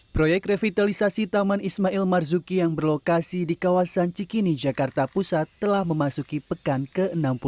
proyek revitalisasi taman ismail marzuki yang berlokasi di kawasan cikini jakarta pusat telah memasuki pekan ke enam puluh delapan